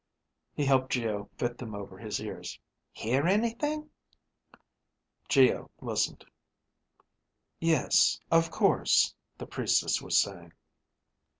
He helped Geo fit them over his ears. "Hear anything?" Geo listened. "Yes, of course," the Priestess was saying.